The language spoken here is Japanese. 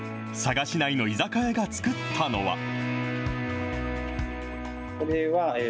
佐賀市内の居酒屋が作ったのは。